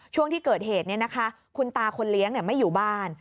ช่วงที่เกิดเหตุคุณตาคนเลี้ยงไม่อยู่บ้าน